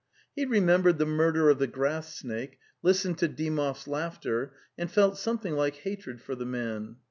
He re membered the murder of the grass snake, listened to Dymov's laughter, and felt something like hatred for the man.